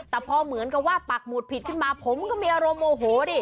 แต่พอเหมือนกับว่าปักหมุดผิดขึ้นมาผมก็มีอารมณ์โมโหดิ